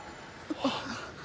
あっ。